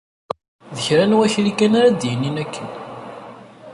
D kra n wakli kan ara d-yinin akken.